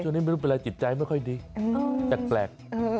ไม่รู้เป็นอะไรจิตใจไม่ค่อยดีแปลก